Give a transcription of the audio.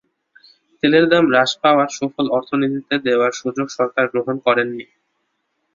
তেলের দাম হ্রাস পাওয়ার সুফল অর্থনীতিতে দেওয়ার সুযোগ সরকার গ্রহণ করেনি।